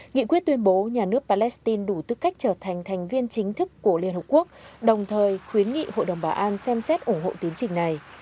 nghị quyết tuyên bố nhà nước palestine đủ tư cách trở thành thành viên chính thức của liên hợp quốc đồng thời khuyến nghị hội đồng bảo an xem xét ủng hộ tiến trình này